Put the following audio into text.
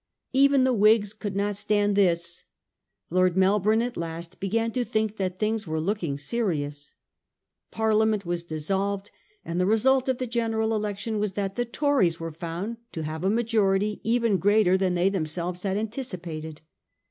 Even the Whigs could not stand this. Lord Melbourne at last began to think that things were looking serious. Parliament was dis solved, and the result of the general election was that the Tories were found to have a majority even greater than they themselves had anticipated.